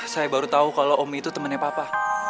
saya baru tahu kalau om itu temennya papa